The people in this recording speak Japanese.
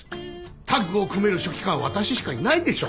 タッグを組める書記官は私しかいないでしょ。